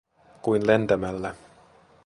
Kuin lentämällä.